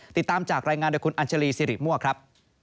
ติดตามจากรายงานโดยคุณอัญชาลีสิริมั่วครับ